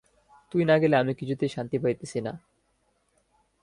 তুই না গেলে আমি কিছুতেই শান্তি পাইতেছি না।